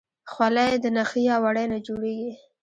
خولۍ د نخي یا وړۍ نه جوړیږي.